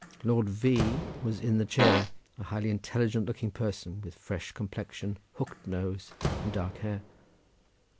Lord V— was in the chair, a highly intelligent looking person, with fresh complexion, hooked nose, and dark hair.